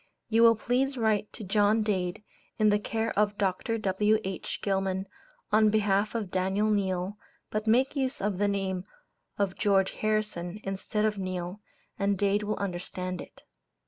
You will please write to John Dade, in the care of Doct. W.H. Gilman, on behalf of Daniel Neale, but make use of the name of George Harrison, instead of Neale, and Dade will understand it.